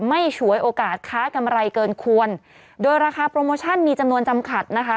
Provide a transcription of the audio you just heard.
ฉวยโอกาสค้ากำไรเกินควรโดยราคาโปรโมชั่นมีจำนวนจำขัดนะคะ